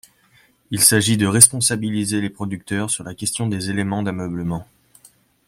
Il s’agit de responsabiliser les producteurs sur la question des éléments d’ameublement.